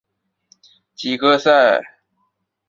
几个国际赛车比赛及一级方程式也都有参与。